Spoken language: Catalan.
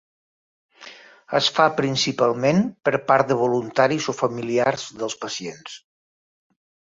Es fa principalment per part de voluntaris o familiars dels pacients.